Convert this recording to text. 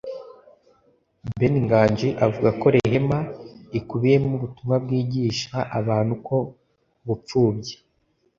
Ben Nganji avuga ko Rehema ikubiyemo ubutumwa bwigisha abantu ko ubupfubyi